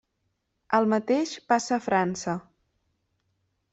El mateix passa a França.